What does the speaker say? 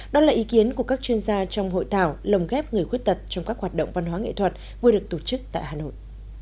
đó là ý kiến của các chuyên gia trong hội thảo lồng ghép người khuyết tật trong các hoạt động văn hóa nghệ thuật vừa được tổ chức tại hà nội